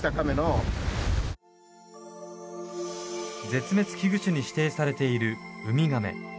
絶滅危惧種に指定されているウミガメ。